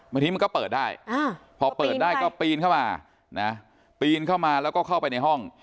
บางทีมันก็เปิดได้พอเปิดได้ก็ปีนเข้ามานะปีนเข้ามาแล้วก็เข้าไปในห้อง